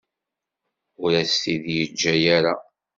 Ur as-t-id-yeǧǧa ara.